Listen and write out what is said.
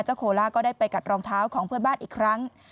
โคล่าก็ได้ไปกัดรองเท้าของเพื่อนบ้านอีกครั้ง